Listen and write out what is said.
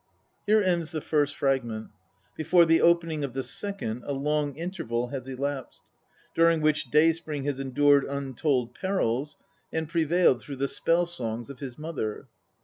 Here ends the first fragment ; before the opening of the second a long interval has elapsed, during which Day spring has endured untold perils, and prevailed through the spell songs of his mother.